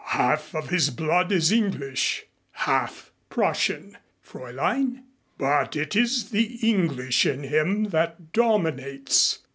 "Half of his blood is English, half Prussian, Fräulein, but it is the English in him that dominates.